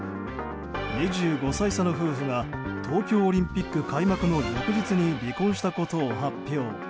２５歳差の夫婦が東京オリンピック開幕の翌日に離婚したことを発表。